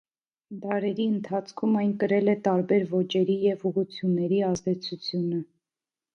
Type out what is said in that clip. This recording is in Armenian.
Դարերի ընթացքում այն կրել է տարբեր ոճերի և ուղղությունների ազդեցությունը։